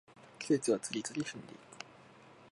季節は次々死んでいく